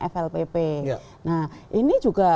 flpp nah ini juga